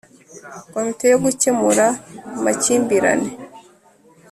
Komite yo gukemura amakimbirane